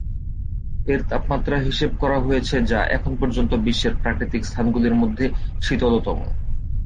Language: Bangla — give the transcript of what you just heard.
এর তাপমাত্রা হিসেব করা হয়েছে যা এখন পর্যন্ত বিশ্বের প্রাকৃতিক স্থানগুলোর মধ্যে শীতলতম।